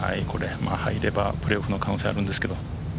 入ればプレーオフの可能性あるんですけど。